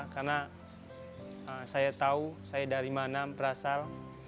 karena saya tahu saya dari mana berasal